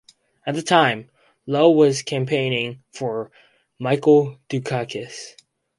At the time, Lowe was campaigning for Michael Dukakis.